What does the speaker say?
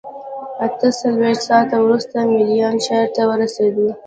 اته څلوېښت ساعته وروسته میلان ښار ته ورسېدو.